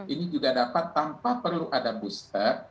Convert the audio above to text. ini juga dapat tanpa perlu ada booster